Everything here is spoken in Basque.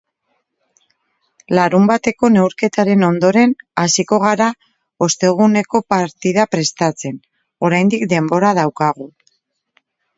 Larunbateko neurketaren ondoren hasiko gara osteguneko partida prestatzen, oraindik denbora daukagu.